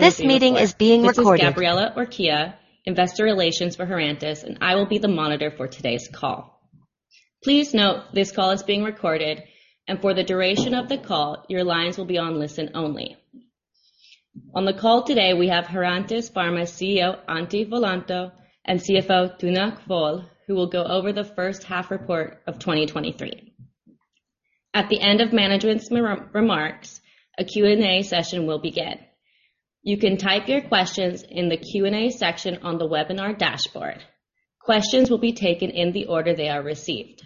This meeting is being recorded. This is Gabriela Urquilla, investor relations for Herantis, and I will be the monitor for today's call. Please note, this call is being recorded, and for the duration of the call, your lines will be on listen only. On the call today, we have Herantis Pharma CEO, Antti Vuolanto, and CFO, Tone Kvåle, who will go over the first half report of 2023. At the end of management's remarks, a Q&A session will begin. You can type your questions in the Q&A section on the webinar dashboard. Questions will be taken in the order they are received.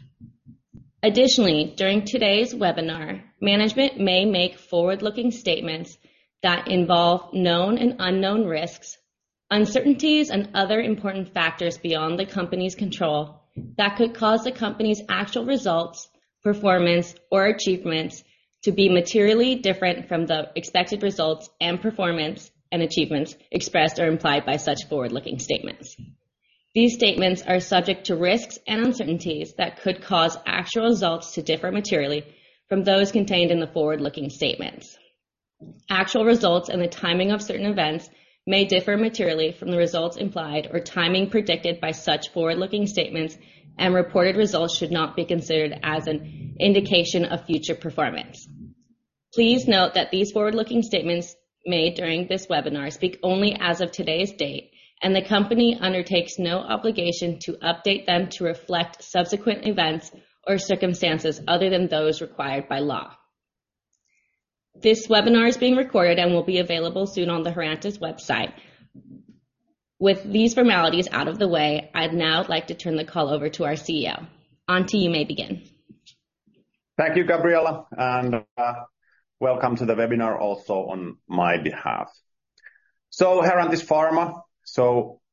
Additionally, during today's webinar, management may make forward-looking statements that involve known and unknown risks, uncertainties, and other important factors beyond the company's control, that could cause the company's actual results, performance, or achievements to be materially different from the expected results, and performance, and achievements expressed or implied by such forward-looking statements. These statements are subject to risks and uncertainties that could cause actual results to differ materially from those contained in the forward-looking statements. Actual results and the timing of certain events may differ materially from the results implied or timing predicted by such forward-looking statements, and reported results should not be considered as an indication of future performance. Please note that these forward-looking statements made during this webinar speak only as of today's date, and the company undertakes no obligation to update them to reflect subsequent events or circumstances other than those required by law. This webinar is being recorded and will be available soon on the Herantis website. With these formalities out of the way, I'd now like to turn the call over to our CEO. Antti, you may begin. Thank you, Gabriela, and welcome to the webinar also on my behalf. Herantis Pharma,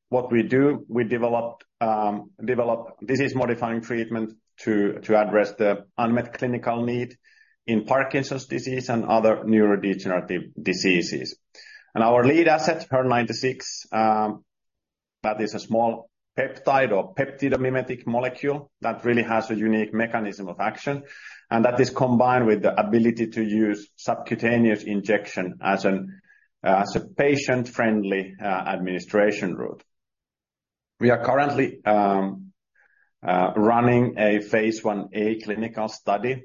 what we do, we develop disease-modifying treatment to address the unmet clinical need in Parkinson's disease and other neurodegenerative diseases. Our lead asset, HER-096, that is a small peptide or peptide mimetic molecule that really has a unique mechanism of action, and that is combined with the ability to use subcutaneous injection as a patient-friendly administration route. We are currently running a Phase 1a clinical study,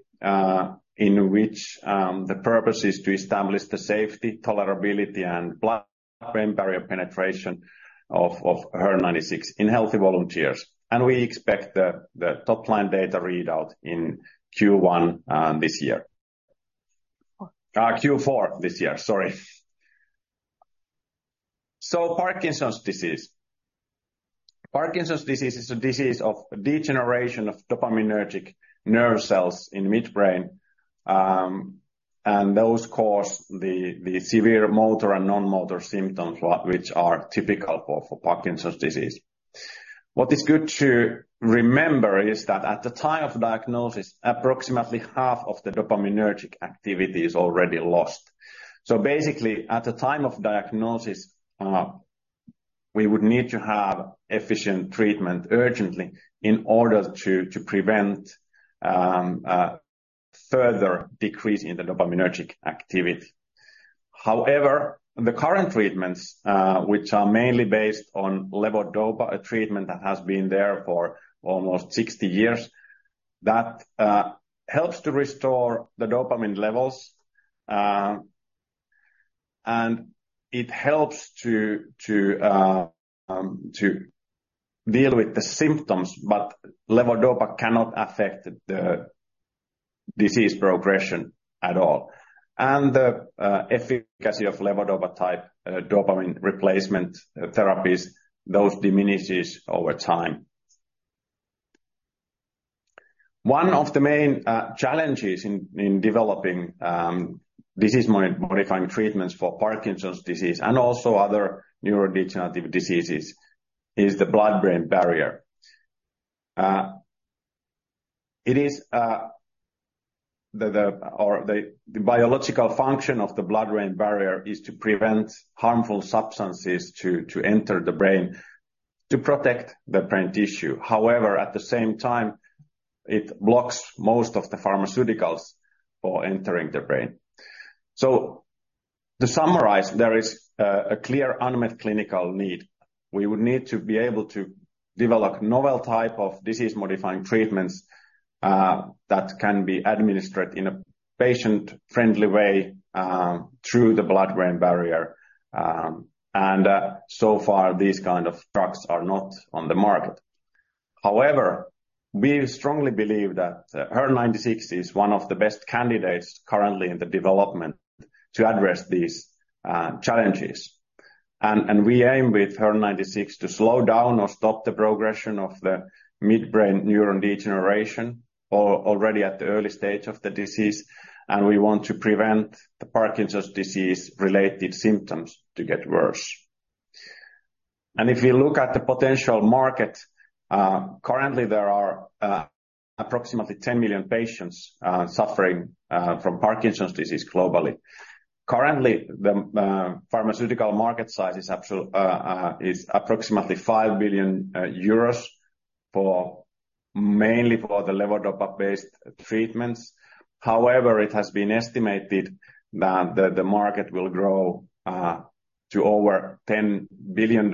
in which the purpose is to establish the safety, tolerability, and blood-brain barrier penetration of HER-096 in healthy volunteers, and we expect the top line data readout in Q1 this year. Q4 this year, sorry. Parkinson's disease. Parkinson's disease is a disease of degeneration of dopaminergic nerve cells in midbrain, and those cause the severe motor and non-motor symptoms which are typical for Parkinson's disease. What is good to remember is that at the time of diagnosis, approximately half of the dopaminergic activity is already lost. So basically, at the time of diagnosis, we would need to have efficient treatment urgently in order to prevent further decrease in the dopaminergic activity. However, the current treatments, which are mainly based on levodopa, a treatment that has been there for almost 60 years, that helps to restore the dopamine levels, and it helps to deal with the symptoms, but levodopa cannot affect the disease progression at all. And the efficacy of levodopa type dopamine replacement therapies, those diminishes over time. One of the main challenges in developing disease-modifying treatments for Parkinson's disease and also other neurodegenerative diseases is the blood-brain barrier. It is the biological function of the blood-brain barrier to prevent harmful substances to enter the brain to protect the brain tissue. However, at the same time, it blocks most of the pharmaceuticals for entering the brain. So to summarize, there is a clear unmet clinical need. We would need to be able to develop novel type of disease-modifying treatments that can be administered in a patient-friendly way through the blood-brain barrier and so far, these kind of drugs are not on the market. However, we strongly believe that HER-096 is one of the best candidates currently in the development to address these challenges. We aim with HER-096 to slow down or stop the progression of the midbrain neuron degeneration already at the early stage of the disease, and we want to prevent the Parkinson's disease-related symptoms to get worse. If you look at the potential market, currently, there are approximately 10 million patients suffering from Parkinson's disease globally. Currently, the pharmaceutical market size is approximately 5 billion euros for mainly for the levodopa-based treatments. However, it has been estimated that the market will grow to over $10 billion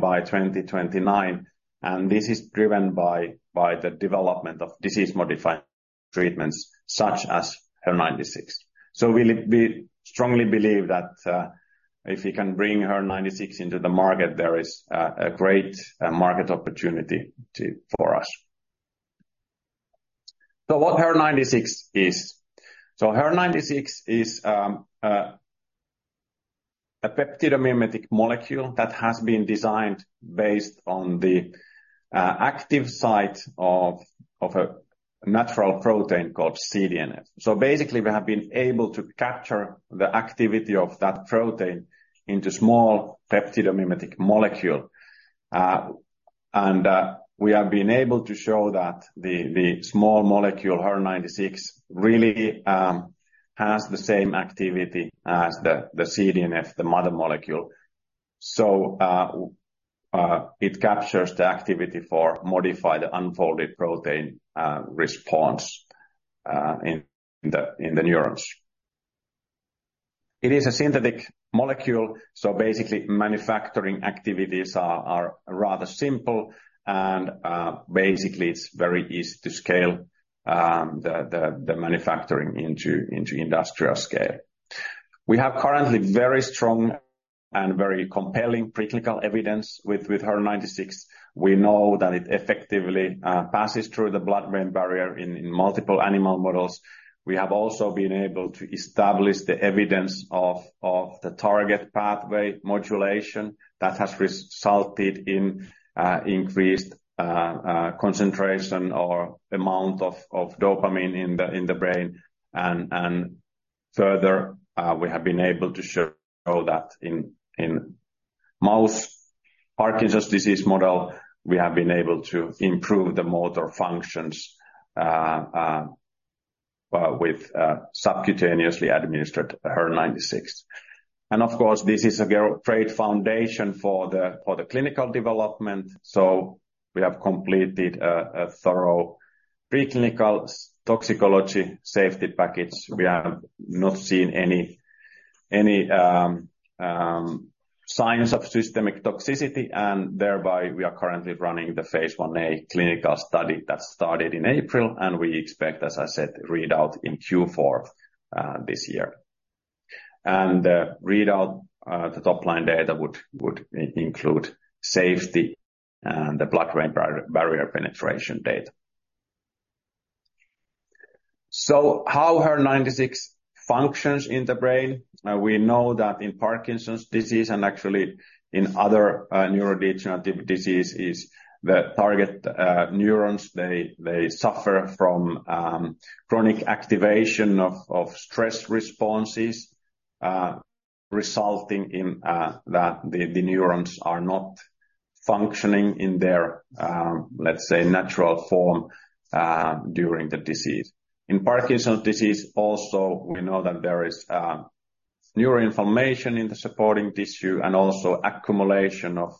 by 2029, and this is driven by the development of disease-modifying treatments such as HER-096. So we strongly believe that if we can bring HER-096 into the market, there is a great market opportunity for us. So what HER-096 is? So HER-096 is a peptidomimetic molecule that has been designed based on the active site of a natural protein called CDNF. So basically, we have been able to capture the activity of that protein into small peptidomimetic molecule. And we have been able to show that the small molecule, HER-096, really has the same activity as the CDNF, the mother molecule. So it captures the activity for modified unfolded protein response in the neurons. It is a synthetic molecule, so basically, manufacturing activities are rather simple, and basically, it's very easy to scale the manufacturing into industrial scale. We have currently very strong and very compelling preclinical evidence with HER-096. We know that it effectively passes through the blood-brain barrier in multiple animal models. We have also been able to establish the evidence of the target pathway modulation that has resulted in increased concentration or amount of dopamine in the brain. And further, we have been able to show that in mouse Parkinson's disease model, we have been able to improve the motor functions with subcutaneously administered HER-096. And of course, this is a great foundation for the clinical development, so we have completed a thorough preclinical toxicology safety package. We have not seen any signs of systemic toxicity, and thereby, we are currently running the Phase 1a clinical study that started in April, and we expect, as I said, readout in Q4 this year. The readout, the top-line data would include safety and the blood-brain barrier penetration data. So how HER-096 functions in the brain. Now, we know that in Parkinson's disease and actually in other neurodegenerative diseases, the target neurons, they suffer from chronic activation of stress responses, resulting in that the neurons are not functioning in their, let's say, natural form during the disease. In Parkinson's disease, also, we know that there is neuroinflammation in the supporting tissue and also accumulation of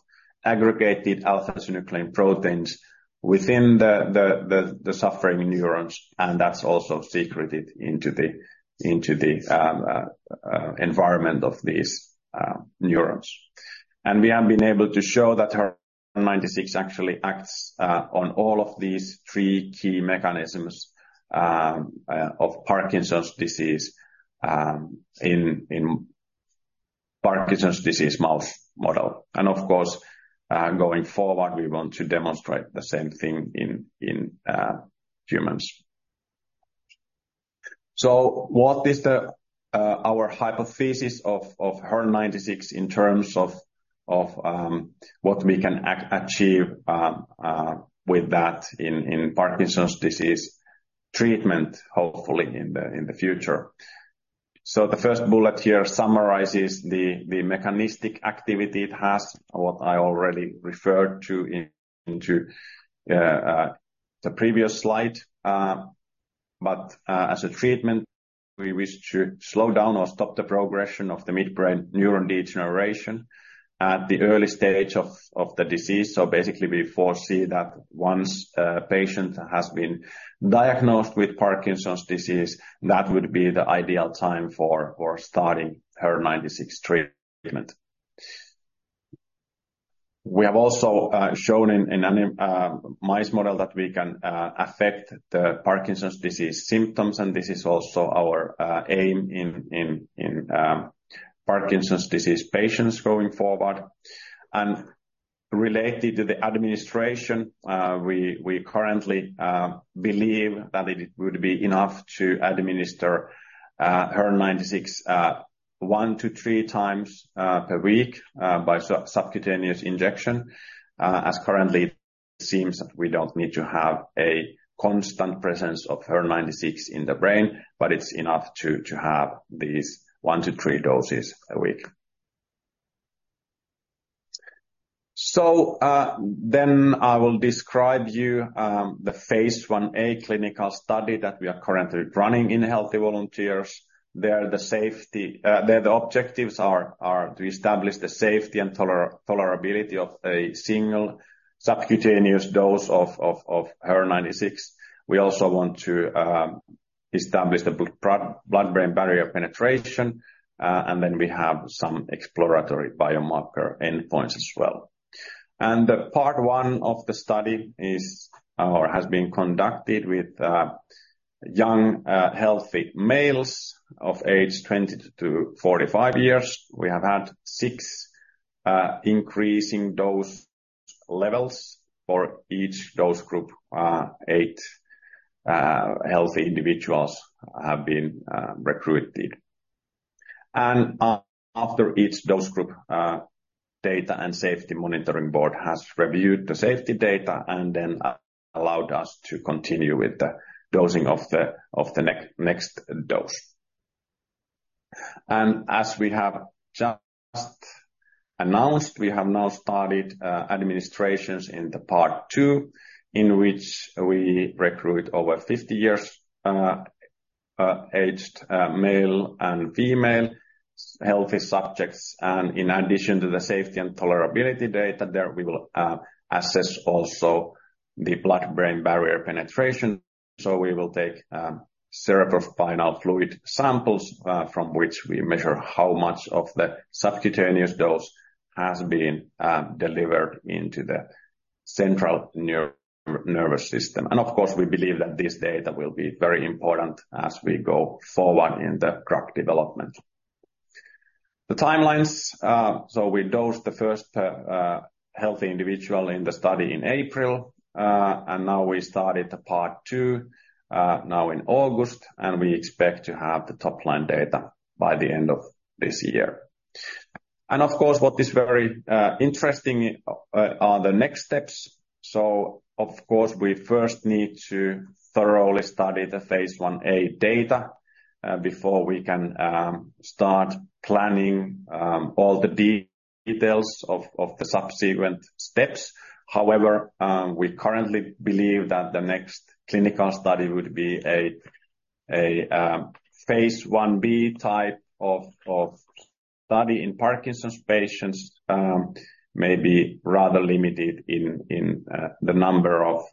aggregated alpha-synuclein proteins within the suffering neurons, and that's also secreted into the environment of these neurons. We have been able to show that HER-096 actually acts on all of these three key mechanisms of Parkinson's disease in Parkinson's disease mouse model. Of course, going forward, we want to demonstrate the same thing in humans. So what is our hypothesis of HER-096 in terms of what we can achieve with that in Parkinson's disease treatment, hopefully in the future? The first bullet here summarizes the mechanistic activity it has, what I already referred to in the previous slide. But as a treatment, we wish to slow down or stop the progression of the midbrain neuron degeneration at the early stage of the disease. So basically, we foresee that once a patient has been diagnosed with Parkinson's disease, that would be the ideal time for starting HER-096 treatment. We have also shown in animal mice model that we can affect the Parkinson's disease symptoms, and this is also our aim in Parkinson's disease patients going forward. And related to the administration, we currently believe that it would be enough to administer HER-096 1-3 times per week by subcutaneous injection. As currently, it seems that we don't need to have a constant presence of HER-096 in the brain, but it's enough to have these 1-3 doses a week. So then I will describe you the Phase 1a clinical study that we are currently running in healthy volunteers. The objectives are to establish the safety and tolerability of a single subcutaneous dose of HER-096. We also want to establish the blood-brain barrier penetration, and then we have some exploratory biomarker endpoints as well. Part 1 of the study has been conducted with young healthy males of age 20-45 years. We have had 6 increasing dose levels for each dose group; 8 healthy individuals have been recruited. After each dose group, the data and safety monitoring board has reviewed the safety data and then allowed us to continue with the dosing of the next dose. As we have just announced, we have now started administrations in Part 2, in which we recruit over 50 years aged male and female healthy subjects. In addition to the safety and tolerability data, there we will assess also the blood-brain barrier penetration. So we will take cerebrospinal fluid samples from which we measure how much of the subcutaneous dose has been delivered into the central nervous system. Of course, we believe that this data will be very important as we go forward in the drug development. The timelines, so we dosed the first healthy individual in the study in April, and now we started Part 2 now in August, and we expect to have the top line data by the end of this year. And of course, what is very interesting are the next steps. So of course, we first need to thoroughly study the Phase 1a data before we can start planning all the details of the subsequent steps. However, we currently believe that the next clinical study would be Phase 1b type of study in Parkinson's patients, maybe rather limited in the number of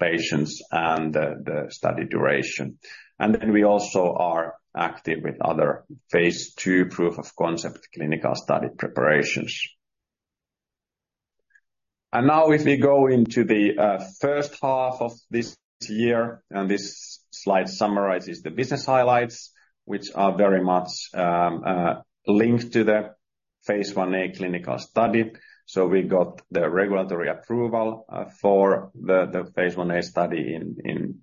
patients and the study duration. And then we also are active with other Phase 2 proof of concept clinical study preparations. And now, if we go into the first half of this year, and this slide summarizes the business highlights, which are very much linked to the Phase 1a clinical study. So we got the regulatory approval for the Phase 1a study in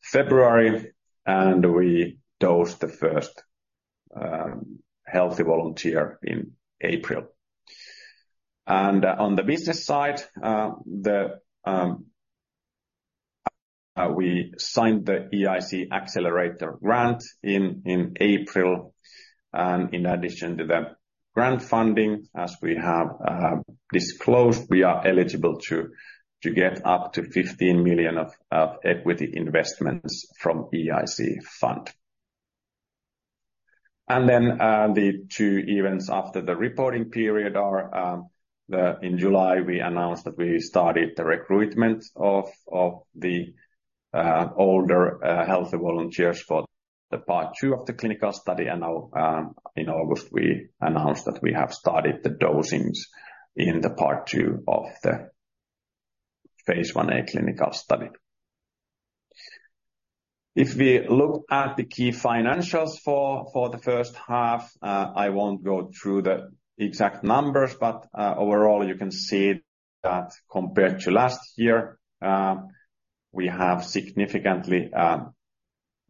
February, and we dosed the first healthy volunteer in April. And on the business side, we signed the EIC Accelerator grant in April, and in addition to the grant funding, as we have disclosed, we are eligible to get up to 15 million of equity investments from EIC Fund. And then, the two events after the reporting period are, then in July, we announced that we started the recruitment of the older healthy volunteers for Part 2 of the clinical study. And now, in August, we announced that we have started the dosings in Part 2 of the Phase 1a clinical study. If we look at the key financials for the first half, I won't go through the exact numbers, but overall, you can see that compared to last year, we have significantly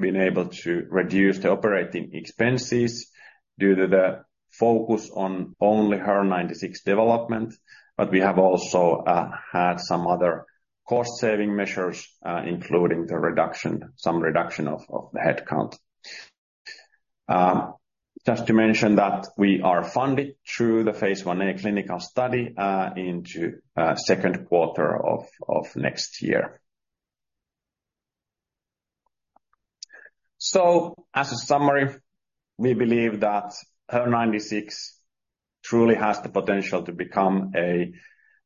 been able to reduce the operating expenses due to the focus on only HER-096 development. But we have also had some other cost-saving measures, including some reduction of the headcount. Just to mention that we are funded through the Phase 1a clinical study into the second quarter of next year. So as a summary, we believe that HER-096 truly has the potential to become a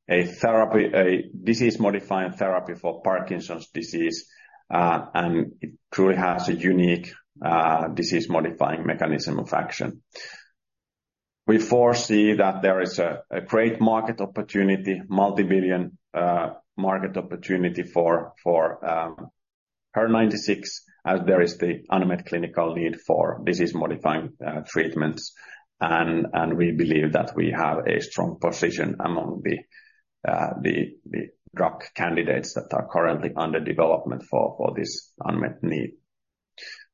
therapy, a disease-modifying therapy for Parkinson's disease, and it truly has a unique disease-modifying mechanism of action. We foresee that there is a great market opportunity, multibillion market opportunity for HER-096, as there is the unmet clinical need for disease-modifying treatments. And we believe that we have a strong position among the drug candidates that are currently under development for this unmet need.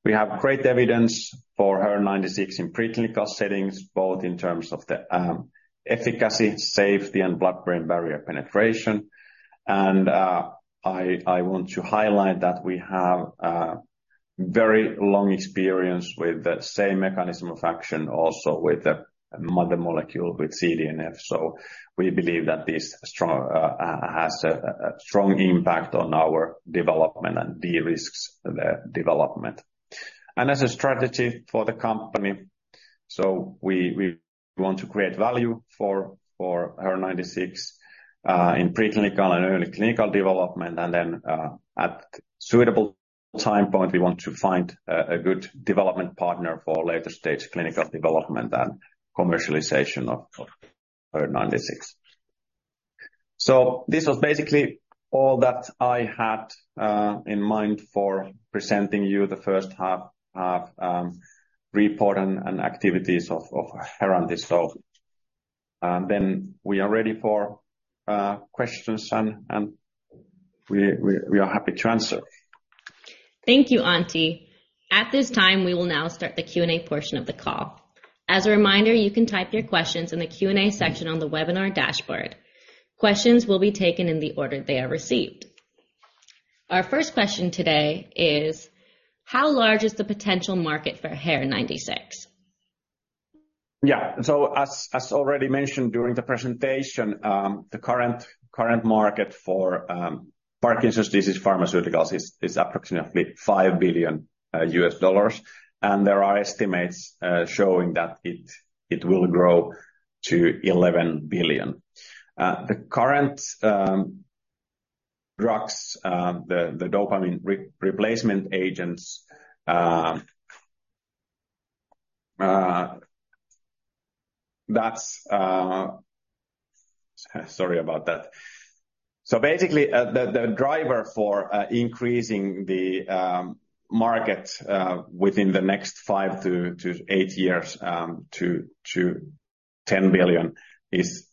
We have great evidence for HER-096 in preclinical settings, both in terms of efficacy, safety, and blood-brain barrier penetration. And I want to highlight that we have very long experience with the same mechanism of action, also with the mother molecule, with CDNF. So we believe that this strong has a strong impact on our development and de-risks the development. And as a strategy for the company-... So we want to create value for HER-096 in preclinical and early clinical development, and then at suitable time point, we want to find a good development partner for later stage clinical development and commercialization of HER-096. So this was basically all that I had in mind for presenting you the first half report and activities of Herantis. So then we are ready for questions, and we are happy to answer. Thank you, Antti. At this time, we will now start the Q&A portion of the call. As a reminder, you can type your questions in the Q&A section on the webinar dashboard. Questions will be taken in the order they are received. Our first question today is: How large is the potential market for HER-096? Yeah. So as already mentioned during the presentation, the current market for Parkinson's disease pharmaceuticals is approximately $5 billion, and there are estimates showing that it will grow to $11 billion. The current drugs, the dopamine replacement agents, that's... Sorry about that. So basically, the driver for increasing the market within the next 5-8 years to $10 billion is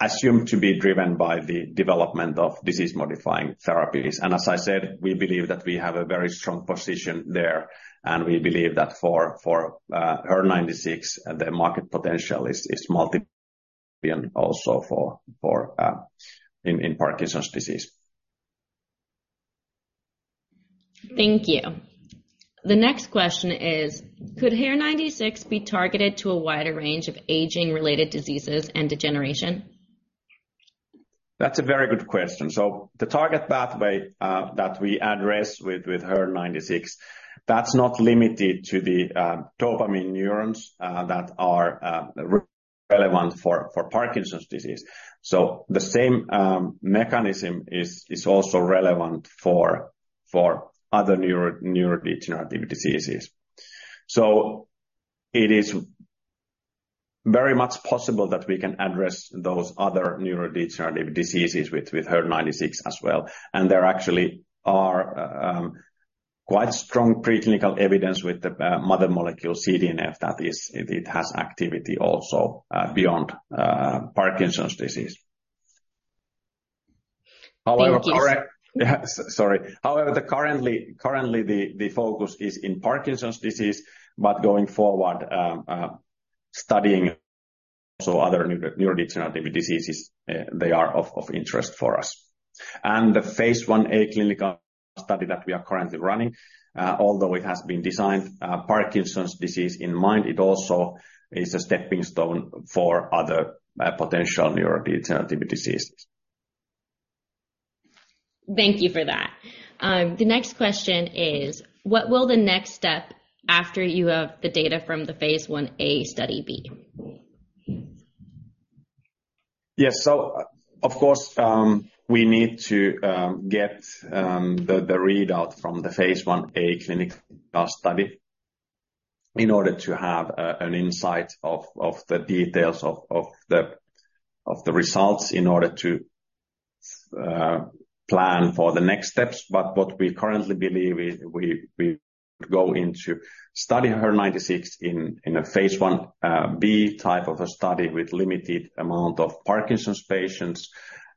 assumed to be driven by the development of disease-modifying therapies. And as I said, we believe that we have a very strong position there, and we believe that for HER-096, the market potential is multi-billion also for in Parkinson's disease. Thank you. The next question is: Could HER-096 be targeted to a wider range of aging-related diseases and degeneration? That's a very good question. So the target pathway that we address with HER-096, that's not limited to the dopamine neurons that are relevant for Parkinson's disease. So the same mechanism is also relevant for other neurodegenerative diseases. So it is very much possible that we can address those other neurodegenerative diseases with HER-096 as well, and there actually are quite strong preclinical evidence with the mother molecule, CDNF, that is, it has activity also beyond Parkinson's disease. However- Thank you. Yeah, sorry. However, the current focus is in Parkinson's disease, but going forward, studying so other neurodegenerative diseases, they are of interest for us. And the Phase 1a clinical study that we are currently running, although it has been designed, Parkinson's disease in mind, it also is a stepping stone for other potential neurodegenerative diseases. Thank you for that. The next question is: What will the next step after you have the data from the Phase 1a study be? Yes. So of course, we need to get the readout from the Phase 1a clinical study in order to have an insight of the details of the results, in order to plan for the next steps. But what we currently believe is we go into study HER-096 in Phase 1b type of a study with limited amount of Parkinson's patients,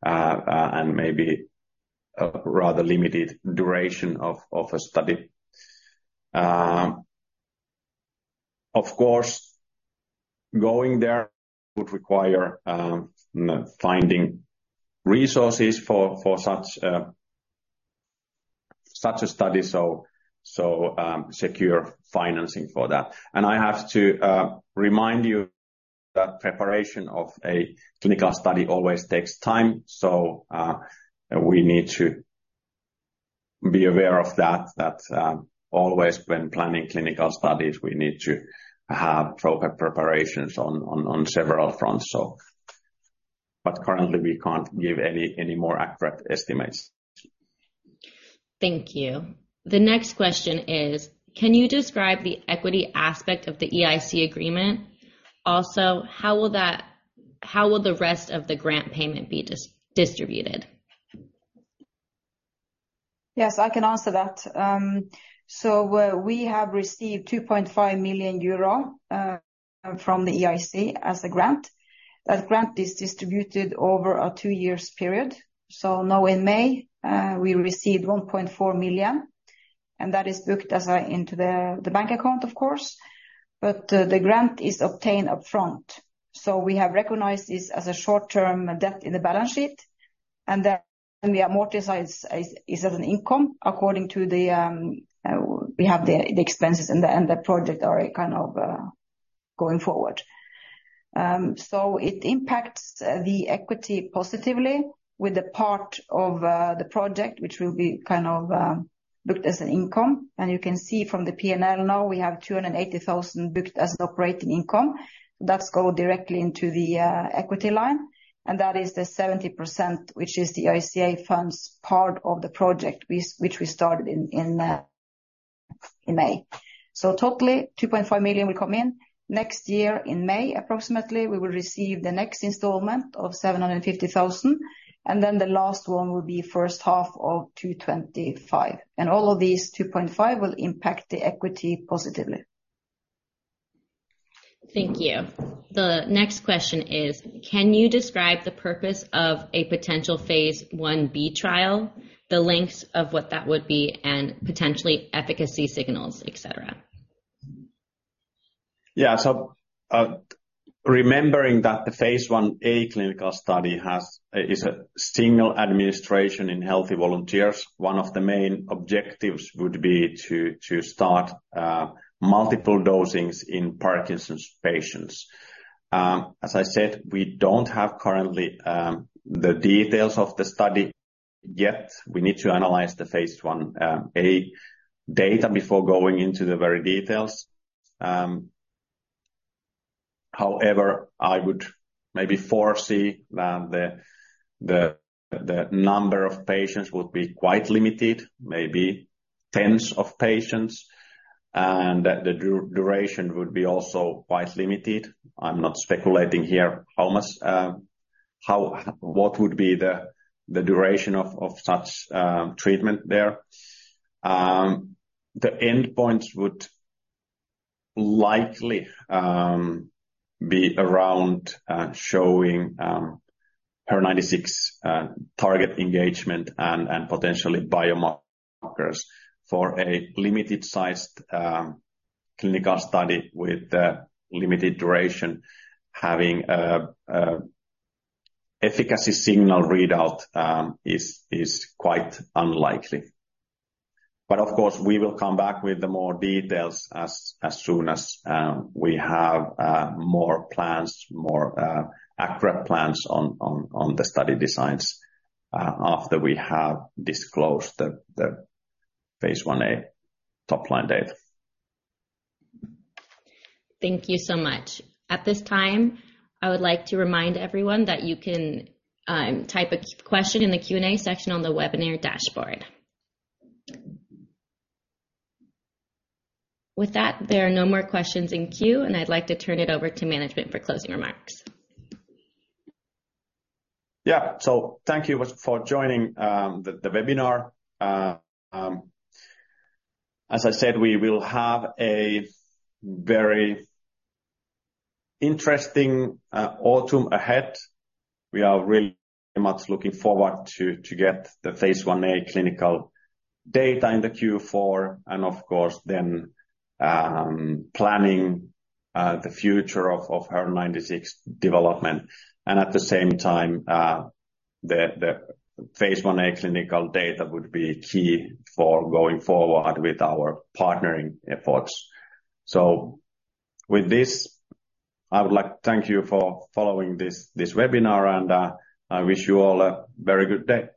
and maybe a rather limited duration of a study. Of course, going there would require finding resources for such a study, so secure financing for that. I have to remind you that preparation of a clinical study always takes time, so we need to be aware of that. That always when planning clinical studies, we need to have proper preparations on several fronts, so. But currently, we can't give any more accurate estimates. Thank you. The next question is: Can you describe the equity aspect of the EIC agreement? Also, how will the rest of the grant payment be distributed? Yes, I can answer that. So we have received 2.5 million euro from the EIC as a grant. That grant is distributed over a 2 years period. So now in May, we received 1.4 million, and that is booked into the bank account, of course, but the grant is obtained upfront. So we have recognized this as a short-term debt in the balance sheet, and then we amortize as an income according to the expenses and the project are kind of going forward. So it impacts the equity positively with the part of the project, which will be kind of booked as an income. And you can see from the P&L now, we have 280,000 booked as operating income. That goes directly into the equity line, and that is the 70%, which is the EIC funds part of the project, which we started in May. So totally, 2.5 million will come in. Next year, in May, approximately, we will receive the next installment of 750,000, and then the last one will be first half of 2025. And all of these 2.5 million will impact the equity positively. Thank you. The next question is, can you describe the purpose of a Phase 1b trial, the lengths of what that would be, and potentially efficacy signals, et cetera? Yeah, so, remembering that the Phase 1a clinical study has, is a single administration in healthy volunteers, one of the main objectives would be to, to start, multiple dosings in Parkinson's patients. As I said, we don't have currently the details of the study yet. We need to analyze the Phase 1a data before going into the very details. However, I would maybe foresee that the number of patients would be quite limited, maybe tens of patients, and that the duration would be also quite limited. I'm not speculating here how much, what would be the duration of such treatment there. The endpoints would likely be around showing HER-096 target engagement and potentially biomarkers. For a limited sized clinical study with a limited duration, having a efficacy signal readout is quite unlikely. But of course, we will come back with the more details as soon as we have more plans, more accurate plans on the study designs after we have disclosed the Phase 1a top line data. Thank you so much. At this time, I would like to remind everyone that you can type a question in the Q&A section on the webinar dashboard. With that, there are no more questions in queue, and I'd like to turn it over to management for closing remarks. Yeah. So thank you for joining the webinar. As I said, we will have a very interesting autumn ahead. We are very much looking forward to get the Phase 1a clinical data in the Q4, and of course, then, planning the future of HER-096 development. And at the same time, the Phase 1a clinical data would be key for going forward with our partnering efforts. So with this, I would like to thank you for following this webinar, and I wish you all a very good day.